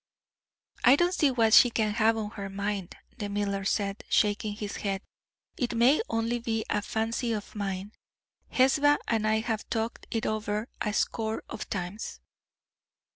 "I don't see what she can have on her mind," the miller said, shaking his head. "It may only be a fancy of mine. Hesba and I have talked it over a score of times."